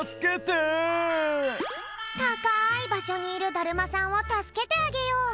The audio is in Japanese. たかいばしょにいるだるまさんをたすけてあげよう！